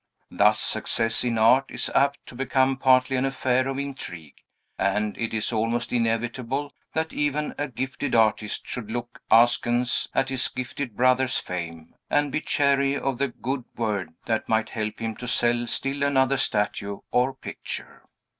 Thus, success in art is apt to become partly an affair of intrigue; and it is almost inevitable that even a gifted artist should look askance at his gifted brother's fame, and be chary of the good word that might help him to sell still another statue or picture.